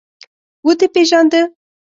_ودې پېژانده؟